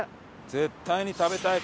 絶対に食べたい。